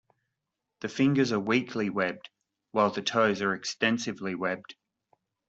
The fingers are weakly webbed while the toes are extensively webbed.